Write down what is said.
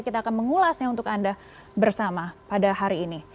kita akan mengulasnya untuk anda bersama pada hari ini